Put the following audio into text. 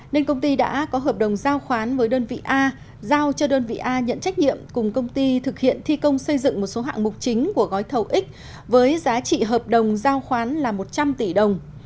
nên công ty đã có hợp đồng giao khoán với đơn vị a giao cho đơn vị a nhận trách nhiệm cùng công ty thực hiện thi công xây dựng một số hạng mục chính của gói thầu x với giá trị hợp đồng giao khoán là một trăm linh tỷ đồng